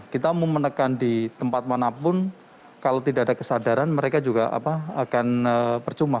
kita mau menekan di tempat manapun kalau tidak ada kesadaran mereka juga akan percuma